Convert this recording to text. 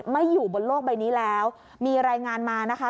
ไม่อยู่บนโลกใบนี้แล้วมีรายงานมานะคะ